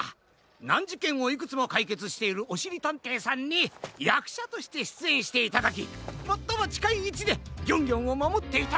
なんじけんをいくつもかいけつしているおしりたんていさんにやくしゃとしてしゅつえんしていただきもっともちかいいちでギョンギョンをまもっていただく！